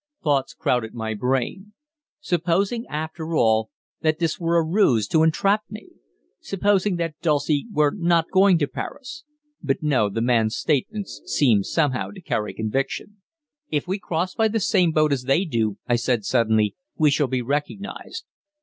Thoughts crowded my brain. Supposing, after all, that this were a ruse to entrap me. Supposing that Dulcie were not going to Paris. But no, the man's statements seemed somehow to carry conviction. "If we cross by the same boat as they do," I said suddenly, "we shall be recognized."